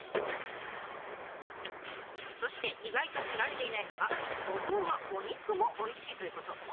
そして意外と知られていないのが五島はお肉もおいしいということ。